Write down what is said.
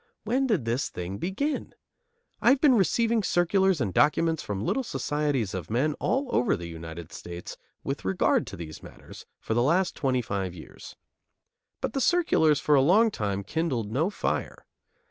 When did this thing begin? I have been receiving circulars and documents from little societies of men all over the United States with regard to these matters, for the last twenty five years. But the circulars for a long time kindled no fire.